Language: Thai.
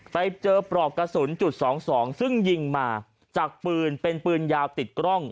ไปเจอปลอกกระสุนจุด๒๒ซึ่งยิงมาจากปืนเป็นปืนยาวติดกล้อง